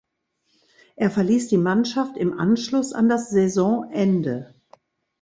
Er verließ die Mannschaft im Anschluss an das Saisonende.